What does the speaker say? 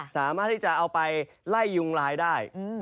สามารถที่จะเอาไปไล่ยุงลายได้